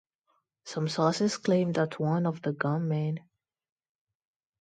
Some sources claim that one of the gunmen.